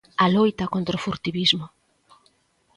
A loita contra o furtivismo.